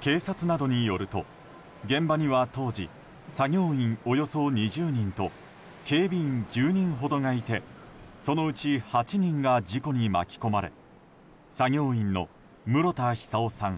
警察などによると現場には当時作業員およそ２０人と警備員１０人ほどがいてそのうち８人が事故に巻き込まれ作業員の室田久生さん